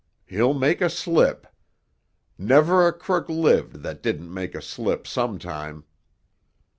He'll make a slip! Never a crook lived that didn't make a slip some time!"